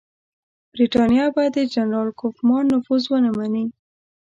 برټانیه به د جنرال کوفمان نفوذ ونه مني.